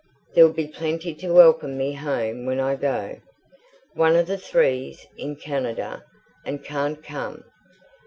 There'll be plenty to welcome me home when I go. One of the three's in Canada, and can't come.